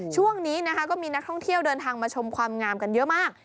ช่วงนี้นะคะก็มีนักท่องเที่ยวเดินทางมาชมความงามกันเยอะมาก